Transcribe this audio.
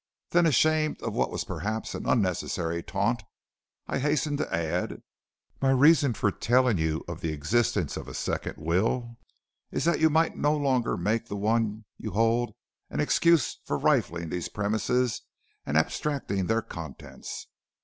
Then ashamed of what was perhaps an unnecessary taunt, I hastened to add: 'My reason for telling you of the existence of a second will is that you might no longer make the one you hold an excuse for rifling these premises and abstracting their contents.